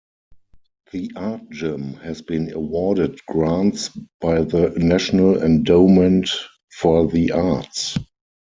The Art Gym has been awarded grants by the National Endowment for the Arts.